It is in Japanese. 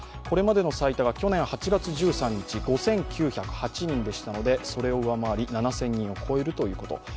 これまでの最多が去年８月１３日、５９０８人でしたのでそれを上回り７０００人を超えるということ。